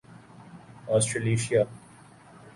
Australasia